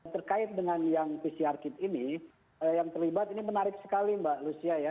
terkait dengan yang pcr kit ini yang terlibat ini menarik sekali mbak lucia ya